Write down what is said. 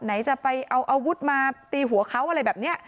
จะไปเอาอาวุธมาตีหัวเขาอะไรแบบนี้